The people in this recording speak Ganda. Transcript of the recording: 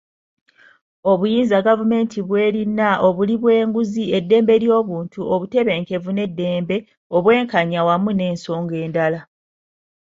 Obuyinza gavumenti bw'erina, obuli bw'enguzi, eddembe ly'obuntu, obutebenkevu n'eddembe, obwenkanya awamu n'ensonga endala.